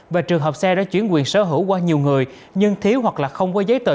và trường hợp xe đã chuyển quyền sở hữu qua nhiều người nhưng thiếu hoặc là không có giấy tờ